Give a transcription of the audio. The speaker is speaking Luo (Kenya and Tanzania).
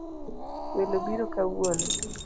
Welo biro kawuono